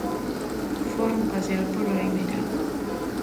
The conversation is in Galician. Foron pasear polo amieiral.